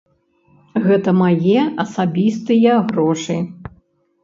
Гэта мае асабістыя грошы.